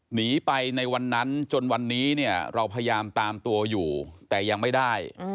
หนีไปในวันนั้นจนวันนี้เนี่ยเราพยายามตามตัวอยู่แต่ยังไม่ได้